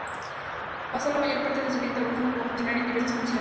Pasó la mayor parte de su vida trabajando como funcionario en diversas funciones.